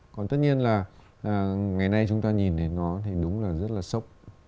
còn tất nhiên là ngày nay chúng ta nhìn đến nó thì đúng là rất là sốc